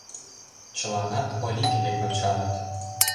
Чыланат Олик век ончалыт.